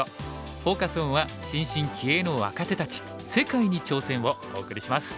フォーカス・オンは「新進気鋭の若手たち世界に挑戦！」をお送りします。